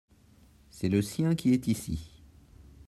c'est le sien qui est ici.